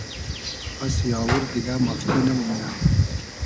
پاسی آوور دیگۂ مافتی نئمومنۂ